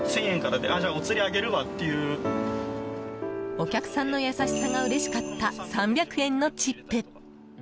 お客さんの優しさがうれしかった、３００円のチップ。